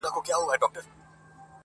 د خلکو حافظه له دې کيسې نه پاکيږي هېڅ